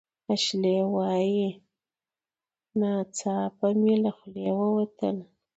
اشلي وايي "ناڅاپه مې له خولې ووتل